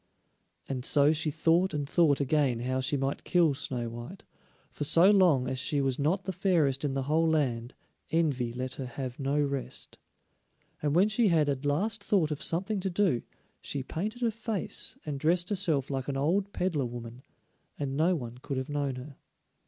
And so she thought and thought again how she might kill Snow white, for so long as she was not the fairest in the whole land, envy let her have no rest. And when she had at last thought of something to do, she painted her face and dressed herself like an old peddler woman, and no one could have known her.